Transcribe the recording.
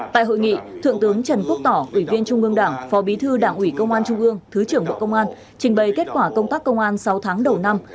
tại hội nghị thượng tướng trần quốc tỏ ủy viên trung ương đảng phó bí thư đảng ủy công an trung ương thứ trưởng bộ công an trình bày kết quả công tác công an sáu tháng đầu năm